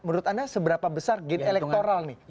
menurut anda seberapa besar gain elektoral nih